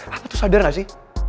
aku tuh sadar gak sih